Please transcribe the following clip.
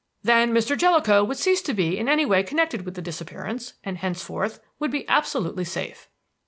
Then Mr. Jellicoe would cease to be in any way connected with the disappearance and henceforth would be absolutely safe.